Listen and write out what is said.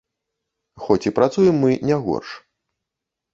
Хоць і працуем мы не горш.